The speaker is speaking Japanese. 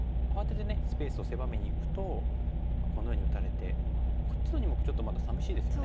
スペースを狭めにいくとこのように打たれてこっちの２目ちょっとまださみしいですよね。